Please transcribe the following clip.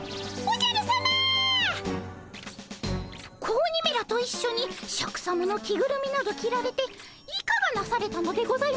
子鬼めらと一緒にシャクさまの着ぐるみなど着られていかがなされたのでございますか？